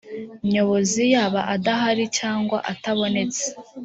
nyobozi yaba adahari cyangwa atabonetse